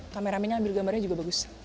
kameramennya ambil gambarnya juga bagus